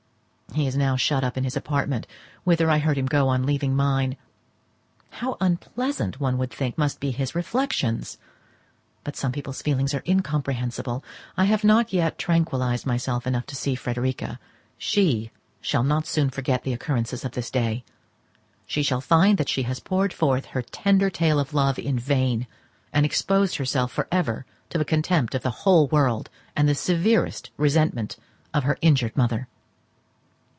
He is now shut up in his apartment, whither I heard him go on leaving mine. How unpleasant, one would think, must be his reflections! but some people's feelings are incomprehensible. I have not yet tranquillised myself enough to see Frederica. She shall not soon forget the occurrences of this day; she shall find that she has poured forth her tender tale of love in vain, and exposed herself for ever to the contempt of the whole world, and the severest resentment of her injured mother.